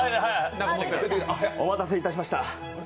お待たせいたしました。